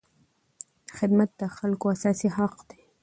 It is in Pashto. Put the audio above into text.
خدمت د خلکو اساسي حق دی.